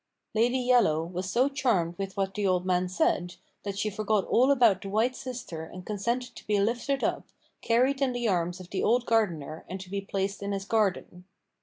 Lady Yellow was so charmed with what the old man said, that she forgot all about the white sister and consented to be lifted up, carried in the arms of the old gardener and to be placed in his garden.